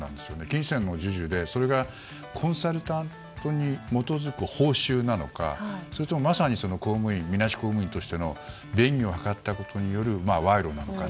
金銭の授受でそれがコンサルタントに基づく報酬なのかそれとも、みなし公務員としての便宜を図ったことによる賄賂なのか。